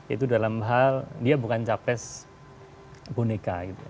itu dalam hal dia bukan capres boneka